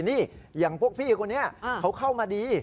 นี่อย่างพวกพี่คนนี้เขาเข้ามาดี